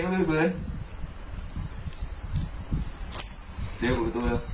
ปีมีมีที่มดเลกนะพี่เฟิง